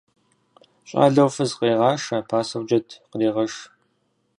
Щӏалэу фыз къегъашэ, пасэу джэд кърегъэш.